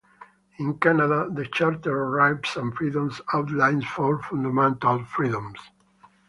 In Canada, the Charter of Rights and Freedoms outlines four Fundamental Freedoms.